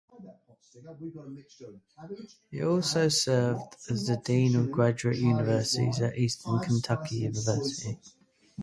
He also served as the dean of graduate studies at Eastern Kentucky University.